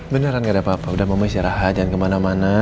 beneran gak ada apa apa udah mau istirahat jangan kemana mana